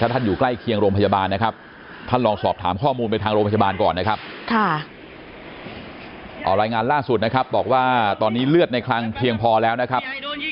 ถ้าดูจากเฟซบุ๊กของคุณอนุทินชาญวิรกูลรัฐมนตรีว่าการกระทรวงสาธารณสุขที่โพสต์ล่าสุดนะครับ